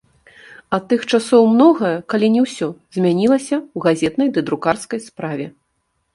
Ад тых часоў многае, калі не ўсё, змянілася ў газетнай ды друкарскай справе.